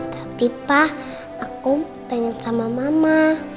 tapi pak aku pengen sama mama